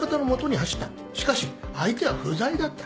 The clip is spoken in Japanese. しかし相手は不在だった。